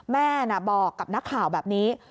แม่บอกกับนักข่าวแบบนี้